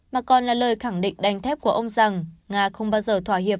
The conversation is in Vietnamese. mà còn là lời khẳng định đánh thép của ông rằng nga không bao giờ thỏa hiệp